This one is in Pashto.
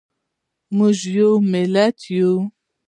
موږ یو ملت یو.